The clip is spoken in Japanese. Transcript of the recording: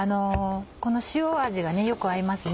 この塩味がよく合いますね。